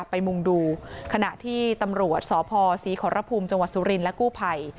ไปมุมดูขณะที่ตำรวจสศศรีขอระพุมจังหวัดสุรินทร์และกู้ไผ่